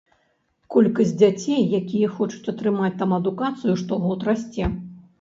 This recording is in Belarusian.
Колькасць дзяцей, якія хочуць атрымаць там адукацыю, штогод расце.